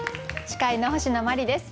司会の星野真里です。